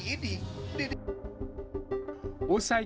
usai kritik soal bantuan sosial ahok menyebutkan bantuan sosial